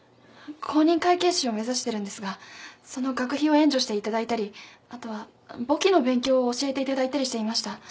公認会計士を目指してるんですがその学費を援助していただいたりあとは簿記の勉強を教えていただいたりしていました。